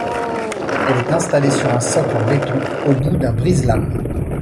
Elle est installée sur un socle en béton au bout d'un brise-lames.